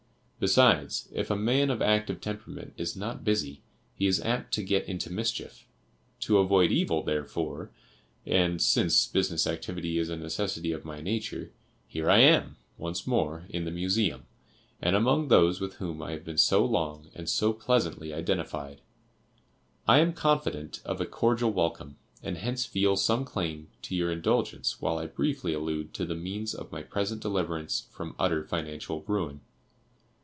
Besides, if a man of active temperament is not busy, he is apt to get into mischief. To avoid evil, therefore, and since business activity is a necessity of my nature, here I am, once more, in the Museum, and among those with whom I have been so long and so pleasantly identified. I am confident of a cordial welcome, and hence feel some claim to your indulgence while I briefly allude to the means of my present deliverance from utter financial ruin.